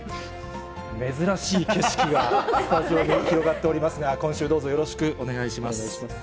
珍しい景色がスタジオに広がっておりますが、今週、どうぞよろしくお願いいたします。